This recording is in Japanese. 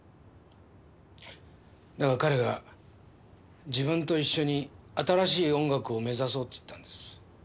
だが彼が自分と一緒に新しい音楽を目指そうって言ったんです。